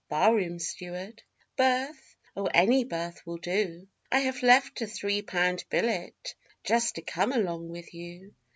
Bar room steward? Berth? Oh, any berth will do I have left a three pound billet just to come along with you.